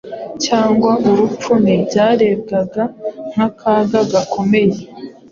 cyangwa urupfu ntibyarebwaga nk’akaga gakomeye